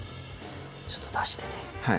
ちょっと足してね。